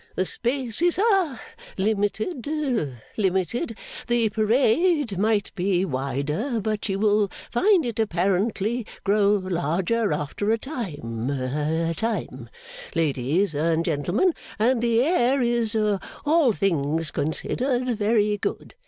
The space is ha limited limited the parade might be wider; but you will find it apparently grow larger after a time a time, ladies and gentlemen and the air is, all things considered, very good.